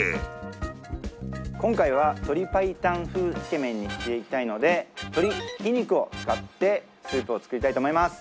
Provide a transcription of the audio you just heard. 今回は鶏白湯風つけめんにしていきたいので鶏ひき肉を使ってスープを作りたいと思います。